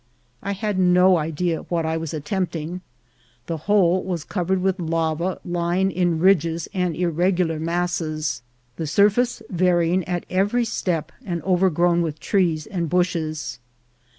I had no idea what I was attempting. The whole was covered with lava lying in ridges and irregular masses, the surface varying at every step, and overgrown with trees and bushes.